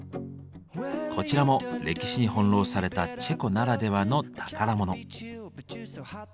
こちらも歴史に翻弄されたチェコならではの宝物。